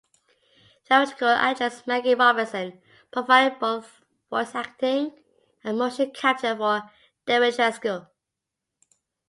Theatrical actress Maggie Robertson provided both voice acting and motion capture for Dimitrescu.